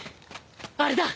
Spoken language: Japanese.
あれだ。